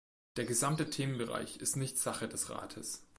Der gesamte Themenbereich ist nicht Sache des Rates.